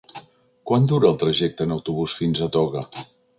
Quant dura el trajecte en autobús fins a Toga?